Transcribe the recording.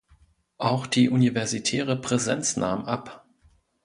Auch die universitäre Präsenz nahm ab.